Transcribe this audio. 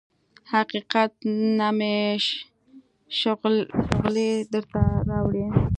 حقیقت نه مې شغلې درته راوړي